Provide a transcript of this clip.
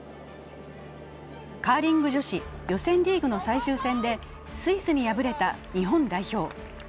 カーリング女子予選リーグの最終戦でスイスに敗れた日本代表。